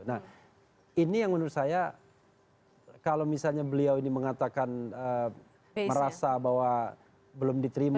nah ini yang menurut saya kalau misalnya beliau ini mengatakan merasa bahwa belum diterima